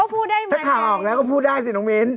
ถ้าข่าวออกแล้วก็พูดได้สิเนาะเมน